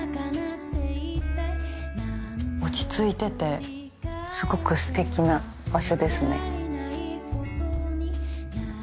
落ち着いててすごくすてきな場所ですね。